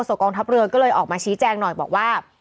กองทัพเรือก็เลยออกมาชี้แจงหน่อยบอกว่า